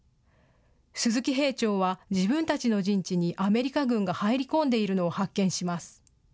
鈴木兵長は自分たちの陣地にアメリカ軍が入り込んでいるのを発見します。